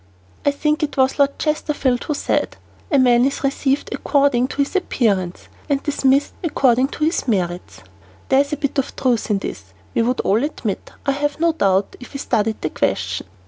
I think it was Lord Chesterfield who said: "A man is received according to his appearance, and dismissed according to his merits." There is a bit of truth in this we would all admit, I have no doubt, if we studied the question.